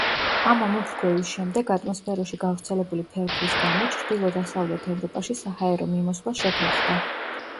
ამ ამოფრქვევის შემდეგ ატმოსფეროში გავრცელებული ფერფლის გამო ჩრდილო-დასავლეთ ევროპაში საჰაერო მიმოსვლა შეფერხდა.